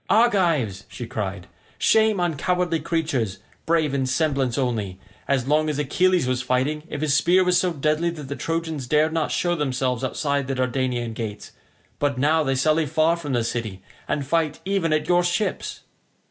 "Argives," she cried; "shame on cowardly creatures, brave in semblance only; as long as Achilles was fighting, if his spear was so deadly that the Trojans dared not show themselves outside the Dardanian gates, but now they sally far from the city and fight even at your ships."